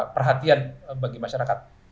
perhatian bagi masyarakat